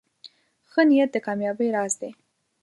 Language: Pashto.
ښه نیت د کامیابۍ راز دی.